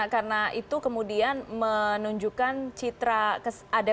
karena itu kemudian menunjukkan citra